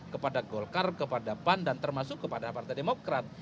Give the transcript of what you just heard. kepada golkar kepada pan dan termasuk kepada partai demokrat